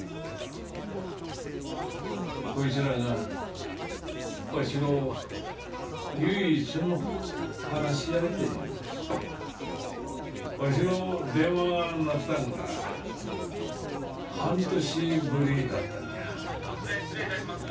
こいつらがわしの唯一の話し相手じゃわしの電話が鳴ったんが半年ぶりだったんじゃ☎突然失礼いたします